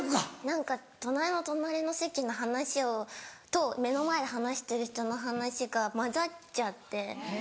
何か隣の隣の席の話と目の前で話してる人の話が交ざっちゃって。